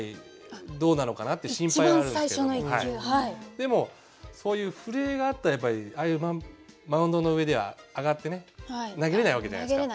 でもそういう震えがあったらやっぱりマウンドの上では上がってね投げれないわけじゃないですか。